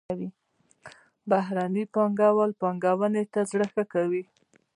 بهرني پانګوال پانګونې ته زړه ښه کوي.